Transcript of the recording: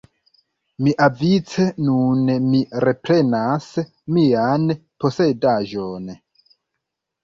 Miavice nun mi reprenas mian posedaĵon.